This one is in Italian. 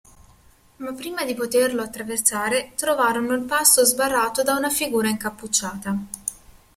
Ma prima di poterlo attraversare, trovarono il passo sbarrato da una figura incappucciata.